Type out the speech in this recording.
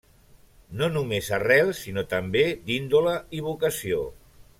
No només arrel, sinó també d'índole i vocació.